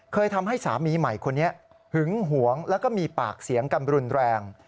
ทำให้สามีใหม่คนนี้หึงหวงแล้วก็มีปากเสียงกันรุนแรง